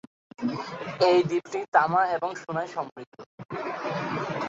এই দ্বীপটি তামা এবং সোনায় সমৃদ্ধ।